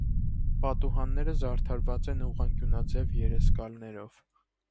Պատուհանները զարդարված են ուղղանկյունաձև երեսկալներով։